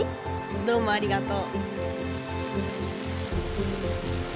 どうもありがとう。